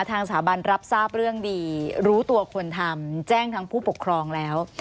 ทางสถาบันรับทราบเรื่องดีรู้ตัวคนทำแจ้งทั้งผู้ปกครองแล้ว